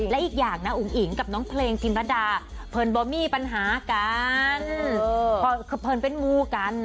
และอีกอย่างนะอุ๋งอิ๋งกับน้องเพลงจินรดาเพลินบ่มีปัญหากันคือเพลินเป็นมูกันนะ